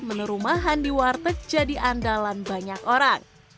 menu rumahan di warteg jadi andalan banyak orang